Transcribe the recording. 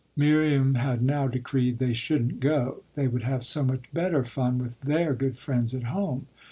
Miriam had now decreed they shouldn't go they would have so much better fun with their good friends at home.